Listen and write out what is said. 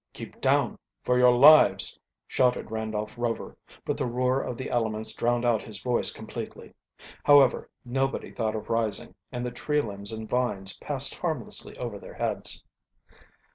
"Keep down, for your lives!" shouted Randolph Rover; but the roar of the elements drowned out his voice completely. However, nobody thought of rising, and the tree limbs and vines passed harmlessly over their heads.